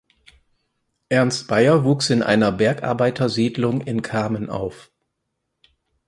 Ernst Beier wuchs in einer Bergarbeitersiedlung in Kamen auf.